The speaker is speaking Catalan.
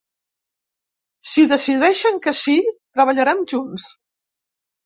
Si decideixen que ‘sí’, treballarem junts.